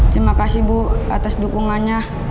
terima kasih bu atas dukungannya